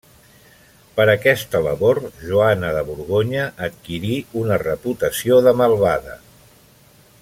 Per aquesta labor Joana de Borgonya adquirí una reputació de malvada.